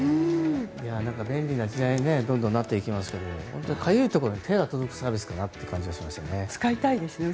便利な時代にどんどんなっていきますけどもかゆいところに手が届くサービスだなと感じますね。